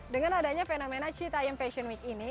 dengan adanya fenomena citaim fashion week ini